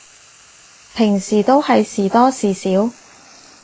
平時都係時多時少